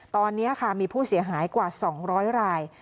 ตอนนี้ค่ะมีผู้เสียหายกว่า๒๐๐ราย